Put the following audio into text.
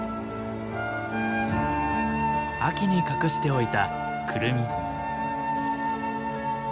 秋に隠しておいたクルミ。